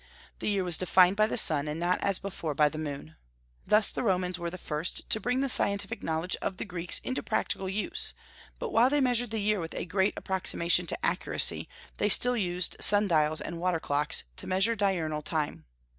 The year was defined by the sun, and not as before by the moon. Thus the Romans were the first to bring the scientific knowledge of the Greeks into practical use; but while they measured the year with a great approximation to accuracy, they still used sun dials and water clocks to measure diurnal time.